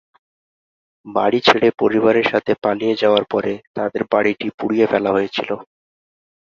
বাড়ি ছেড়ে পরিবারের সাথে পালিয়ে যাওয়ার পরে তাদের বাড়িটি পুড়িয়ে ফেলা হয়েছিল।